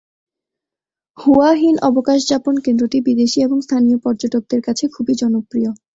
হুয়া হিন অবকাশযাপন কেন্দ্রটি বিদেশি এবং স্থানীয় পর্যটকদের কাছে খুবই জনপ্রিয়।